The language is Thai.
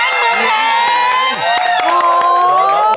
โอ้โห